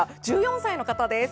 １４歳の方です。